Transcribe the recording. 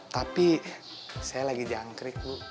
tapi saya lagi jangkrik bu